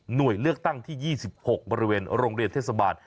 เลือกตั้งที่๒๖บริเวณโรงเรียนเทศบาล